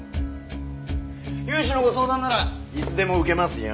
融資のご相談ならいつでも受けますよ。